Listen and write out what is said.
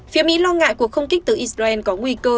phía mỹ lo ngại cuộc không kích từ israel có nguy cơ